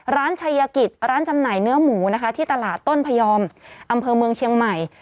ชายกิจร้านจำหน่ายเนื้อหมูนะคะที่ตลาดต้นพยอมอำเภอเมืองเชียงใหม่